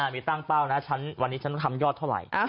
มีตั้งเป้านะวันนี้ฉันต้องทำยอดเท่าไหร่